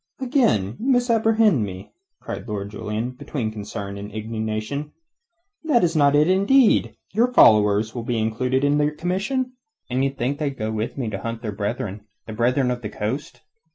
"Again you misapprehend me," cried Lord Julian, between concern and indignation. "That is not intended. Your followers will be included in your commission." "And d' ye think they'll go with me to hunt their brethren the Brethren of the Coast?